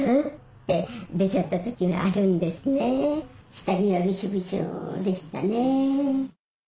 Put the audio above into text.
下着はびしょびしょでしたね。